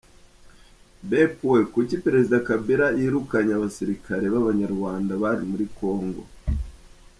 b.Kuki President kabila yirukanye abasirikare babanyarwanda bari muri Congo?